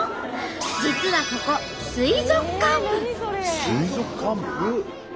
実はここ水族館部？